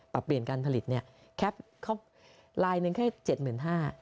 ปรับเปลี่ยนการผลิตเนี่ยแค่ลายนึงให้๗๕๐๐๐บาท